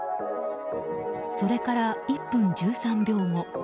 それから１分１３秒後。